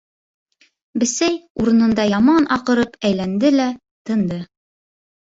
Бесәй урынында яман аҡырып әйләнде лә тынды.